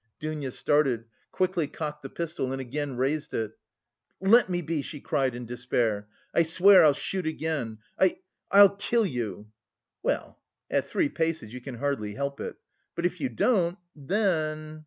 Dounia started, quickly cocked the pistol and again raised it. "Let me be," she cried in despair. "I swear I'll shoot again. I... I'll kill you." "Well... at three paces you can hardly help it. But if you don't... then."